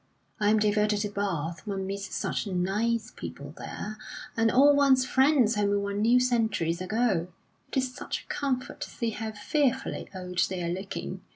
I am devoted to Bath; one meets such nice people there, and all one's friends whom one knew centuries ago. It is such a comfort to see how fearfully old they're looking!